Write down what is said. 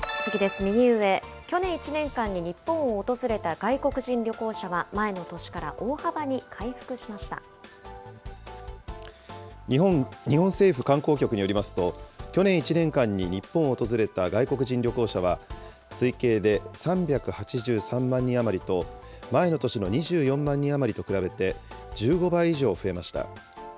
右上、去年１年間に日本を訪れた外国人旅行者は、日本政府観光局によりますと、去年１年間に日本を訪れた外国人旅行者は、推計で３８３万人余りと、前の年の２４万人余りと比べて１５倍以上増えました。